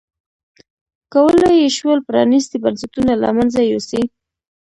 کولای یې شول پرانیستي بنسټونه له منځه یوسي.